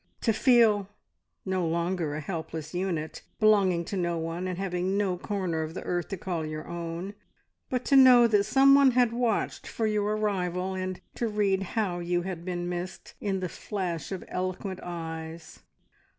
To feel no longer a helpless unit, belonging to no one, and having no corner of the earth to call your own, but to know that someone had watched for your arrival, and to read how you had been missed, in the flash of eloquent eyes.